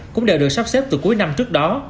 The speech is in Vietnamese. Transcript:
cũng đều được sắp xếp từ cuối năm trước đó